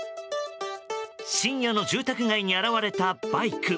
深夜の住宅街に現れたバイク。